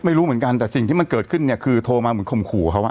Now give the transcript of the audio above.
ไม่รู้เหมือนกันแต่สิ่งที่มันเกิดขึ้นเนี่ยคือโทรมาเหมือนข่มขู่เขาอ่ะ